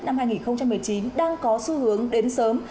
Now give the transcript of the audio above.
năm hai nghìn một mươi chín đang có xu hướng đến sớm